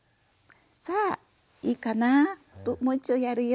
さあいいかなもう一度やるよ。